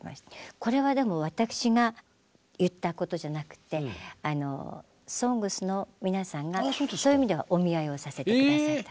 これは私が言ったことじゃなくて「ＳＯＮＧＳ」の皆さんがそういう意味ではお見合いをさせて下さった。